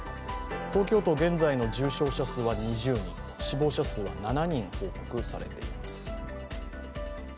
東京都、現在の重症者は２０人、死亡者数は７人報告されています。